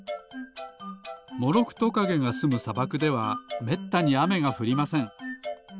モロクトカゲがすむさばくではめったにあめがふりません。